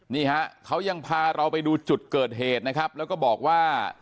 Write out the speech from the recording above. นี่ฮะเขายังพาเราไปดูจุดเกิดเหตุนะครับแล้วก็บอกว่า